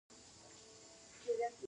کندهار د انارو مرکز دی